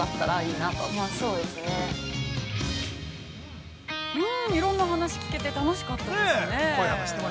◆いろんな話を聞けて、楽しかったですね。